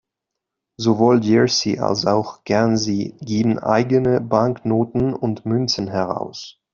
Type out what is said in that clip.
Sowohl Jersey als auch Guernsey geben eigene Banknoten und Münzen heraus.